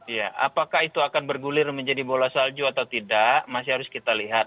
ya apakah itu akan bergulir menjadi bola salju atau tidak masih harus kita lihat